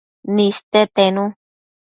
niste tenu